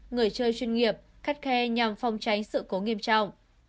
người chơi chuyên nghiệp khắt khe nhằm phòng tránh sự cố nghiêm trọng